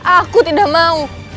aku tidak mau